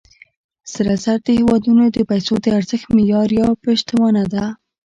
سره زر د هېوادونو د پیسو د ارزښت معیار یا پشتوانه ده.